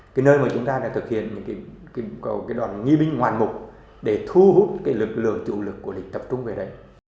cái nơi mà chúng ta đã thực hiện những cái đoàn nghi binh hoàn mục để thu hút cái lực lượng chủ lực của địch tập trung về đấy